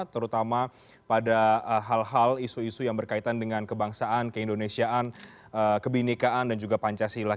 terutama pada hal hal isu isu yang berkaitan dengan kebangsaan keindonesiaan kebenekaan dan juga pancasila